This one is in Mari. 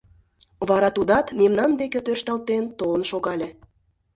Вара тудат мемнан деке тӧршталтен толын шогале.